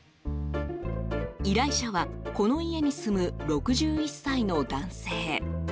依頼者はこの家に住む６１歳の男性。